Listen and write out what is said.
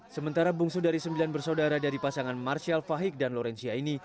sementara bungsu dari sembilan bersaudara dari pasangan marshall fahik dan lorenzia ini